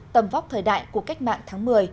tầm vóc thời đại của cách mạng tháng một mươi